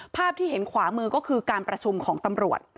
ภาพที่เห็นขวามือก็คือการประชุมของตำรวจ